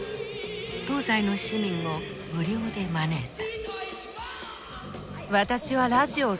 東西の市民を無料で招いた。